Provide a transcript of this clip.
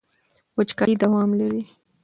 وچکالي دوام لري.